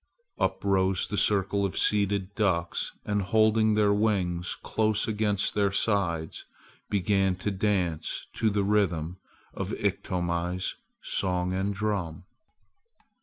Up rose the circle of seated ducks and holding their wings close against their sides began to dance to the rhythm of Iktomi's song and drum.